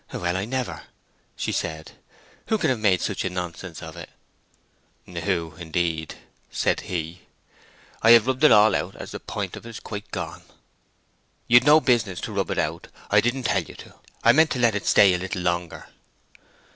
"Well, I never," she said. "Who can have made such nonsense of it?" "Who, indeed?" said he. "I have rubbed it all out, as the point of it is quite gone." "You'd no business to rub it out. I didn't tell you to. I meant to let it stay a little longer."